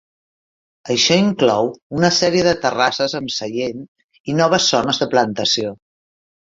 Això inclou una sèrie de terrasses amb seient i noves zones de plantació.